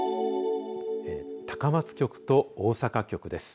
高松局と大阪局です。